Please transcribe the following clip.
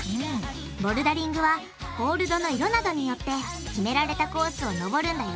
ボルダリングはホールドの色などによって決められたコースを登るんだよ